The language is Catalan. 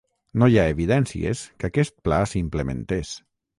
No hi ha evidències que aquest pla s'implementés.